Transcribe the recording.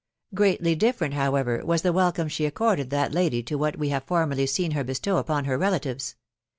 Greatly different, however, was the welcome she accorded that lady to what we have formerly seen her bestow upon her relatives.